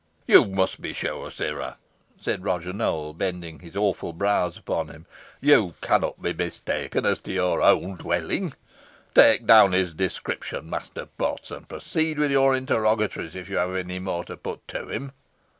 "You must be sure, sirrah," said Roger Nowell, bending his awful brows upon him. "You cannot be mistaken as to your own dwelling. Take down his description, Master Potts, and proceed with your interrogatories if you have any more to put to him."